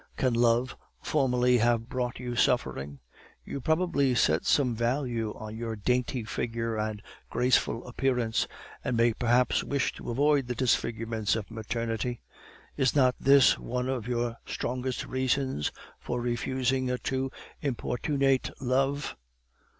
Can love formerly have brought you suffering? You probably set some value on your dainty figure and graceful appearance, and may perhaps wish to avoid the disfigurements of maternity. Is not this one of your strongest reasons for refusing a too importunate love?